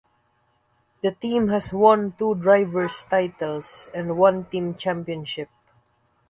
The team has won two drivers titles and one team championship.